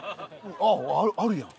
あっあるやん！